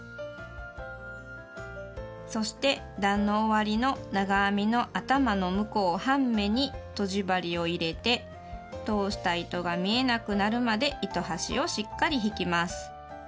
そして段の終わりの長編みの頭の向こう半目にとじ針を入れて通した糸が見えなくなるまで糸端をしっかり引きます。